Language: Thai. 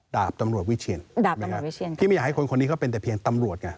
ดาบตำรวจวิเชียนดาบตำรวจวิเชียนที่ไม่อยากให้คนคนนี้ก็เป็นแต่เพียงตำรวจไง